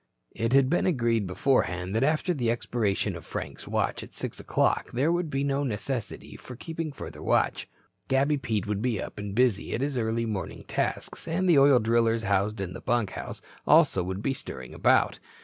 It had been agreed beforehand that after the expiration of Frank's watch at 6 o'clock there would be no necessity for keeping further watch. Gabby Pete would be up and busy at his early morning tasks, and the oil drillers housed in the bunkhouse also would be stirring about.